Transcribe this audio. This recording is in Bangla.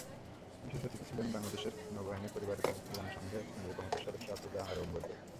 বিশেষ অতিথি ছিলেন বাংলাদেশ নৌবাহিনী পরিবারকল্যাণ সংঘের কেন্দ্রীয় কমিটির সদস্য আফরোজা আওরঙ্গজেব।